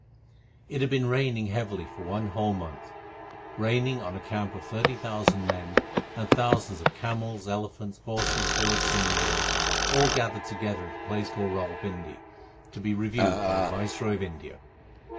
It had been raining heavily for one whole month raining on a camp of thirty thousand men and thousands of camels, elephants, horses, bullocks, and mules all gathered together at a place called Rawal Pindi, to be reviewed by the Viceroy of India.